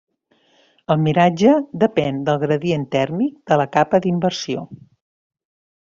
El miratge depèn del gradient tèrmic de la capa d'inversió.